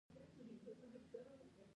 د سپوږمۍ د چېنو سپینې شیدې ستا دي